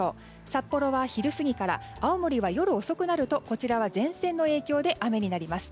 札幌は昼過ぎから青森は夜遅くなるとこちらは前線の影響で雨になります。